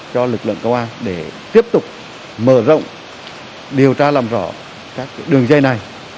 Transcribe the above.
cho lực lượng công an để tiếp tục mở rộng điều tra làm rõ các đường dây này